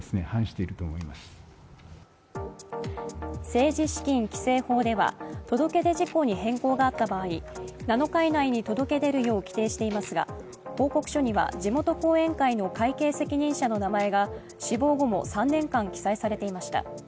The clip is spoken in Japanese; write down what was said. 政治資金規正法では届け出事項に変更があった場合、７日以内に届け出るよう規定していますが報告書には地元後援会の会計責任者の名前が死亡後も３年間、記載されていました。